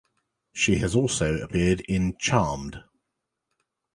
She has also appeared in "Charmed".